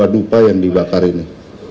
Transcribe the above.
dua dupa yang dibakar ini